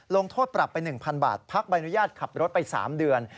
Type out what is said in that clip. โทษปรับไป๑๐๐บาทพักใบอนุญาตขับรถไป๓เดือน